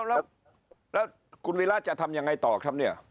เอ๊ะแล้วครูวิราชรรดิจะทำอย่างไรต่อครับเนี่ย